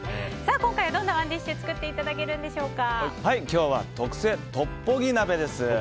今回はどんなＯｎｅＤｉｓｈ今日は特製トッポギ鍋です。